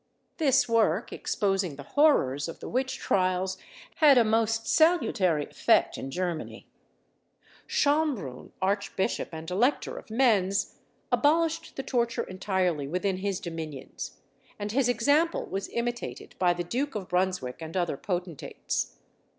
This work, exposing the horrors of the witch trials, had a most salutary effect in Germany: Schonbrunn, Archbishop and Elector of Menz, abolished the torture entirely within his dominions, and his example was imitated by the Duke of Brunswick and other potentates.